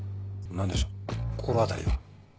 何でしょう心当たりは？